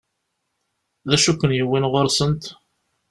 D acu i ken-yewwin ɣur-sent?